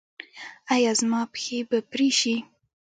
ایا زما پښې به پرې شي؟